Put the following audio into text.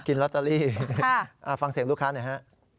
ลอตเตอรี่ฟังเสียงลูกค้าหน่อยฮะ